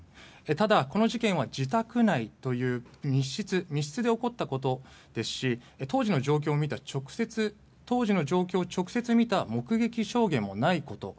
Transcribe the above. ただ、この事件は自宅内という密室で起こったことですし当時の状況を直接見た目撃証言もないこと。